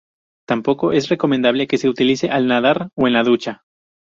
Tampoco es recomendable que se utilice al nadar o en la ducha.